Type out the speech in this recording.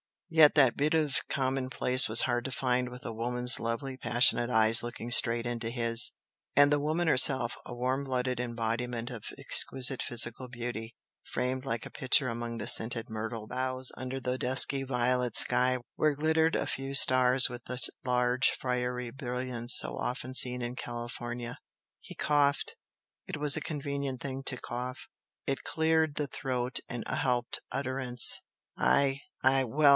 Yet that bit of commonplace was hard to find with a woman's lovely passionate eyes looking straight into his, and the woman herself, a warm blooded embodiment of exquisite physical beauty, framed like a picture among the scented myrtle boughs under the dusky violet sky, where glittered a few stars with that large fiery brilliance so often seen in California. He coughed it was a convenient thing to cough it cleared the throat and helped utterance. "I I well!